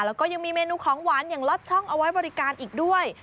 แล้วก็ยังมีเมนูของหวานอย่างล็อตช่องเอาไว้บริการอีกด้วย